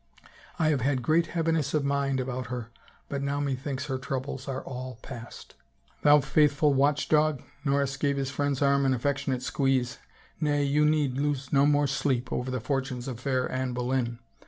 ^* I have had great heaviness of mind about her but now methinks her troubles are all passed." " Thou faithful watch dog !" Norris gave his friend's arm an affectionate squeeze. " Nay, you need loose no more sleep over the fortunes of fair Anne Boleyn.